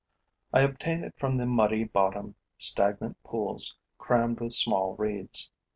I obtain it from the muddy bottomed, stagnant pools crammed with small reeds.